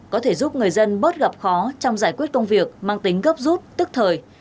có thể giúp người dân bớt gặp khó trong giải quyết công việc mang tính gấp rút tức thời